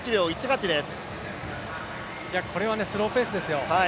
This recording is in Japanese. これはスローペースですよ。